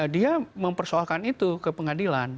dia mempersoalkan itu ke pengadilan